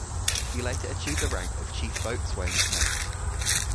He later achieved the rank of Chief Boatswain's Mate.